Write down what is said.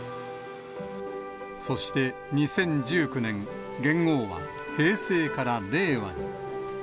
そして２０１９年、元号は平成から令和に。